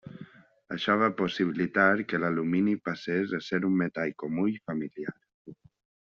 Això va possibilitar que l'alumini passés a ser un metall comú i familiar.